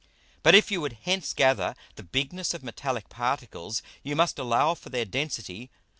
But, if you would hence gather the Bigness of metallick Particles, you must allow for their Density.